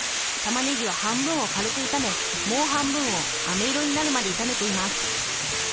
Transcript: たまねぎは半分を軽く炒めもう半分をあめ色になるまで炒めています。